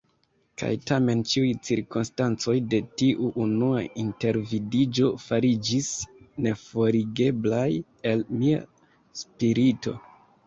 Kaj tamen ĉiuj cirkonstancoj de tiu unua intervidiĝo fariĝis neforigeblaj el mia spirito.